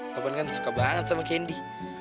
topan kan suka banget sama candy